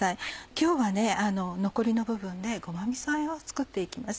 今日は残りの部分でごまみそあえを作って行きます。